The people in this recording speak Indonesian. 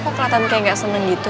kok kelihatan kayak gak seneng gitu